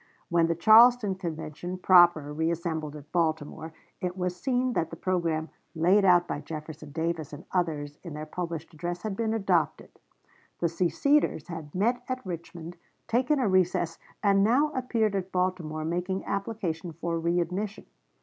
When the Charleston Convention proper reassembled at Baltimore, it was seen that the programme laid out by Jefferson Davis and others in their published address had been adopted. The seceders had met at Richmond, taken a recess, and now appeared at Baltimore making application for readmission.